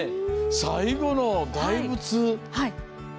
最後の大仏。